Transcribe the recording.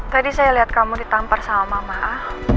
tadi saya lihat kamu ditampar sama mama